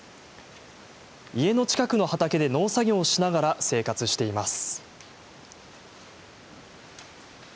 家の近くの畑で農作業をしながら生活しています。